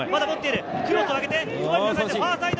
クロスを上げてファーサイド。